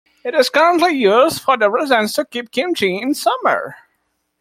It is currently used for the residents to keep Kimchi in summer.